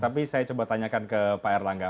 tapi saya coba tanyakan ke pak erlangga